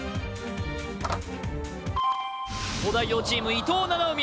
東大王チーム伊藤七海